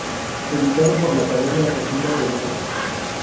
Editado por la Academia argentina de Letras.